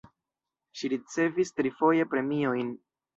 Ŝi ricevis trifoje premiojn.